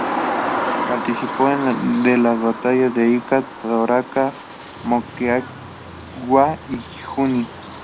Participó de las batallas de Ica, Torata, Moquegua y Junín.